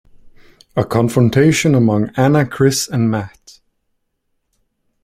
A confrontation among Anna, Chris and Mat.